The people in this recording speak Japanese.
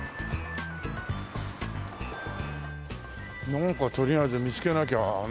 なんかとりあえず見つけなきゃな。